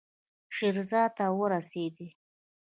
شیراز ته ورسېدی.